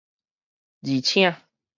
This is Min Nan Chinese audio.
而且